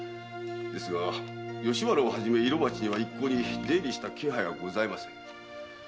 ですが吉原など色街には一向に出入りした気配はございません。